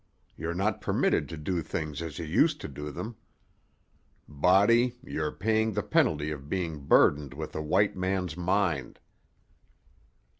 You're not permitted to do things as you used to do them. Body, you're paying the penalty of being burdened with a white man's mind."